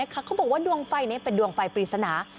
เขาบอกว่าดวงไฟนี้เป็นดวงไฟปริศนา